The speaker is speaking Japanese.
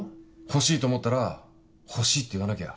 欲しいと思ったら欲しいって言わなきゃ。